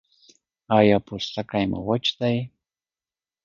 ایا پوستکی مو وچ دی؟